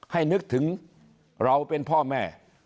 นึกถึงเราเป็นพ่อแม่